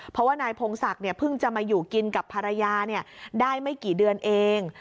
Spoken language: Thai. เพราะว่านายพงศักดิ์เพิ่งจะมาอยู่กินกับภรรยาได้ไม่กี่เดือนเอง